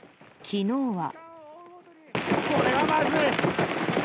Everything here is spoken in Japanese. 昨日は。